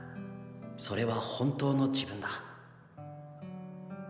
それは本当の自分だ。